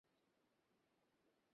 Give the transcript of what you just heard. তিনি সিডনিতে মারা যান।